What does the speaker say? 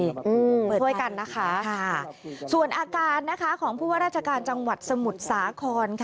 เปิดใจค่ะส่วยกันนะคะส่วนอาการนะคะของผู้ว่าราชการจังหวัดสมุทรสาคร